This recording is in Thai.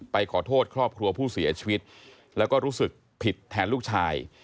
ขอโทษครอบครัวผู้เสียชีวิตแล้วก็รู้สึกผิดแทนลูกชาย